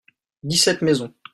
dix-sept maisons.